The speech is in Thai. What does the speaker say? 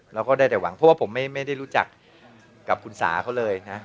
เราก็ได้แต่หวังเพราะว่าผมไม่ได้รู้จักกับคุณสาเขาเลยนะ